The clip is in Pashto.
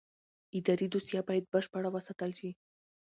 اداري دوسیه باید بشپړه وساتل شي.